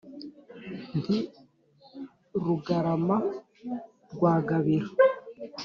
nti: rugarama rwa gabiro